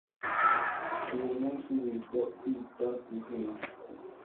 Uwo munsi witwa “Kwita izina”.